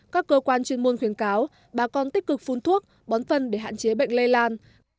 các cơ quan chuyên môn khuyến cáo bà con tích cực phun thuốc bón phân để hạn chế bệnh lây lan